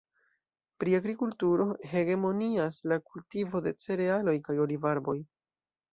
Pri agrikulturo hegemonias la kultivo de cerealoj kaj olivarboj.